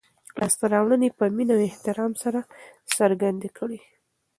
لاسته راوړنې په مینه او احترام سره څرګندې کړئ.